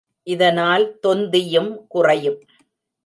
இதனால் தொந்தியும் குறையும்.